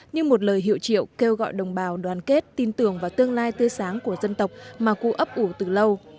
như một lời hiệu triệu kêu gọi đồng bào đoàn kết tin tưởng vào tương lai tươi sáng của dân tộc mà cụ ấp ủ từ lâu